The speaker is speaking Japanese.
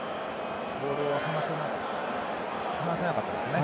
ボールを放せなかったですね。